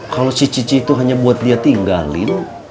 kalau si cici itu hanya buat dia tinggalin